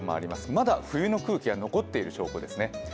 まだ冬の空気が残っている状況です。